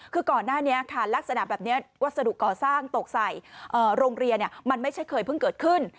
คือก่อนหน้านี้ค่ะลักษณะแบบนี้วัสดุก่อสร้างตกใส่โรงเรียนมันไม่ใช่เคยเพิ่งเกิดขึ้น